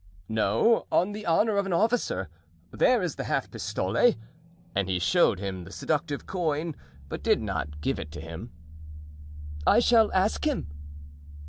"No, on the honor of an officer; there is the half pistole;" and he showed him the seductive coin, but did not give it him. "I shall ask him."